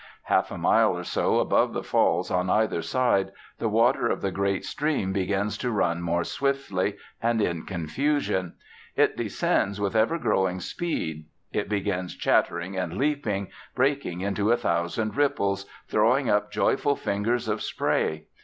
Half a mile or so above the Falls, on either side, the water of the great stream begins to run more swiftly and in confusion. It descends with ever growing speed. It begins chattering and leaping, breaking into a thousand ripples, throwing up joyful fingers of spray.